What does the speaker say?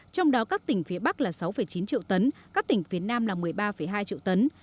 trong đó các tỉnh phía bắc là sáu chín triệu tấn các tỉnh phía nam là một mươi ba hai triệu tấn